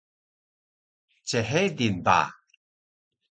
chedil ba